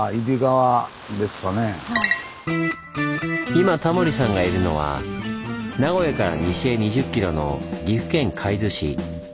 今タモリさんがいるのは名古屋から西へ２０ｋｍの岐阜県海津市。